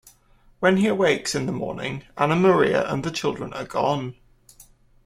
When he awakes in the morning, Ana Maria and the children are gone.